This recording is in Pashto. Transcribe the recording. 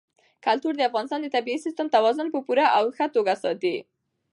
کلتور د افغانستان د طبعي سیسټم توازن په پوره او ښه توګه ساتي.